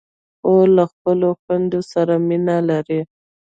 خور له خپلو خویندو سره مینه لري.